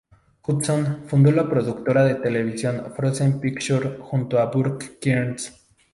Hudson fundó la productora de televisión Frozen Pictures junto a Burt Kearns.